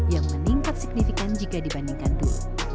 yang meningkat signifikan jika dibandingkan dulu